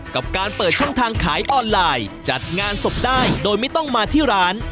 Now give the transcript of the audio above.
กับการเปิดช่องทางขายออนไลน์จัดงานศพได้โดยไม่ต้องมาที่ร้าน